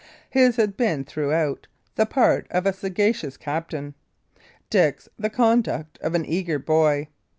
His had been throughout the part of a sagacious captain; Dick's the conduct of an eager boy.